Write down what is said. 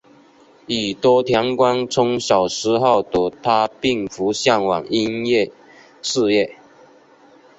宇多田光称小时候的她并不向往音乐事业。